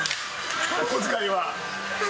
お小遣いは。